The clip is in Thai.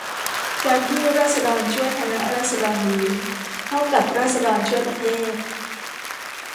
การที่ราษฎรช่วยคณะราษฎรนี้ เท่ากับราษฎรช่วยประเทศ